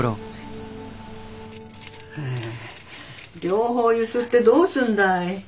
両方揺すってどうすんだい。